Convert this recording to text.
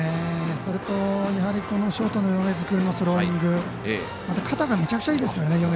それとやはりショートの米津君のスローイング、肩がめちゃくちゃいいですからね。